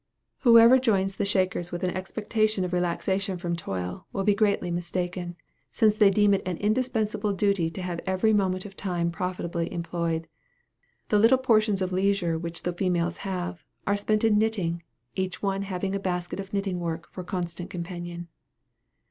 Whoever joins the Shakers with the expectation of relaxation from toil, will be greatly mistaken, since they deem it an indispensable duty to have every moment of time profitably employed. The little portions of leisure which the females have, are spent in knitting each one having a basket of knitting work for a constant companion.